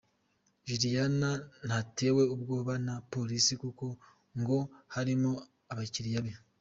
Juliana ntatewe ubwoba na Polisi kuko ngo harimo abakiriya be.